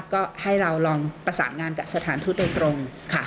ก็ให้เราลองประสานงานกับสถานทูตโดยตรงค่ะ